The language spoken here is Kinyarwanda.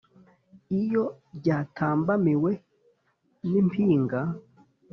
iyo ryatambamiwe n’impinga